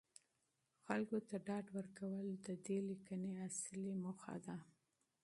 خلکو ته ډاډ ورکول د دې لیکنې اصلي موخه ده.